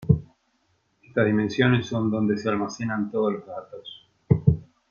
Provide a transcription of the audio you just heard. Estas dimensiones son donde se almacenan todos los datos.